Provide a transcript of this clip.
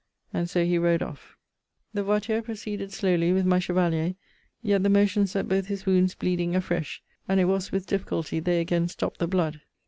And so he rode off. The voiture proceeded slowly with my chevalier; yet the motion set both his wounds bleeding afresh; and it was with difficulty they again stopped the blood.